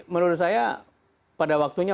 menurut saya pada waktunya